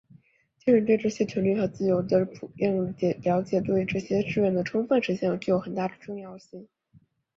鉴于对这些权利和自由的普遍了解对于这个誓愿的充分实现具有很大的重要性